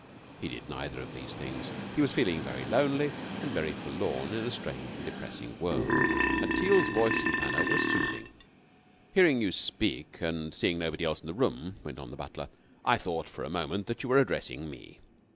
He did neither of these things. He was feeling very lonely and very forlorn in a strange and depressing world, and Teal's voice and manner were soothing. "Hearing you speak, and seeing nobody else in the room," went on the butler, "I thought for a moment that you were addressing me."